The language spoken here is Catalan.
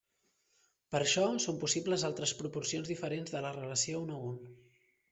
Per això són possibles altres proporcions diferents de la relació un a un.